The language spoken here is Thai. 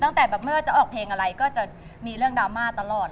ตั้งแต่แบบไม่ว่าจะออกเพลงอะไรก็จะมีเรื่องดราม่าตลอด